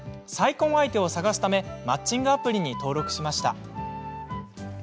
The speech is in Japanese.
再婚相手を探すためにマッチングアプリに登録しました。